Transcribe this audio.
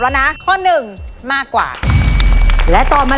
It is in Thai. แล้ววันนี้ผมมีสิ่งหนึ่งนะครับเป็นตัวแทนกำลังใจจากผมเล็กน้อยครับ